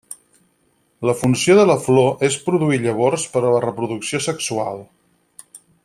La funció de la flor és produir llavors per a la reproducció sexual.